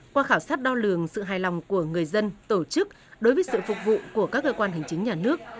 qua khảo sát đo lường sự hài lòng của người dân tổ chức đối với sự phục vụ của các cơ quan hành chính nhà nước